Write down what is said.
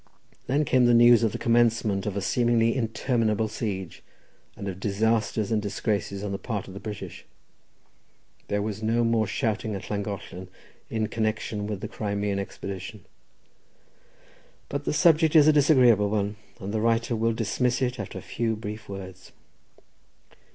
Then came the news of the commencement of a seemingly interminable siege, and of disasters and disgraces on the part of the British; there was no more shouting at Llangollen in connection with the Crimean expedition. But the subject is a disagreeable one, and the writer will dismiss it after a few brief words.